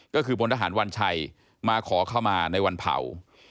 ก็คือพลทหารวัญชัยมาขอเข้ามาในวันเผา